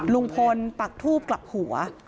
ลุงพลปักทูบกลับหัว